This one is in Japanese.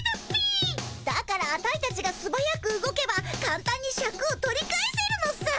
だからアタイたちがすばやく動けばかんたんにシャクを取り返せるのさ。